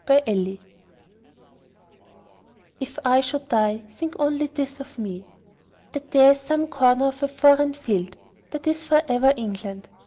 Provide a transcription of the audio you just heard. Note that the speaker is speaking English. The Soldier If I should die, think only this of me: That there's some corner of a foreign field That is for ever England.